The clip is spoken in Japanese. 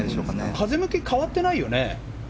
風向きは変わってないよね？